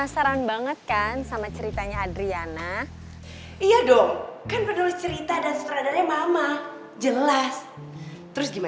karena dari negara